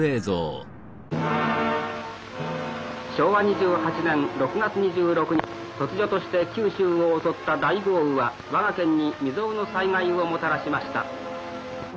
昭和２８年６月２６日突如として九州を襲った大豪雨は我が県に未曽有の災害をもたらしました。